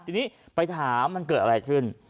ทีนี้ไปถามมันเกิดอะไรขึ้น